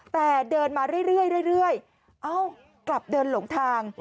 แต่เดินมาเรื่อยเอ้ากลับเดินหลงทาง